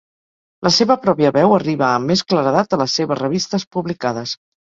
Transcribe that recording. La seva pròpia veu arriba amb més claredat a les seves revistes publicades.